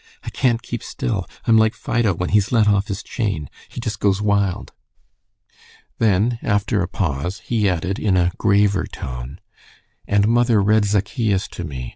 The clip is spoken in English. I can't keep still. I'm like Fido when he's let off his chain. He just goes wild." Then, after a pause, he added, in a graver tone, "And mother read Zaccheus to me.